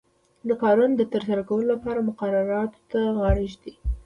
د کارونو د ترسره کولو لپاره مقرراتو ته غاړه ږدي.